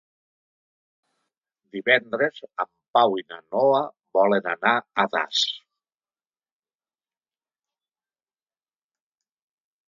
Divendres en Pau i na Noa volen anar a Das.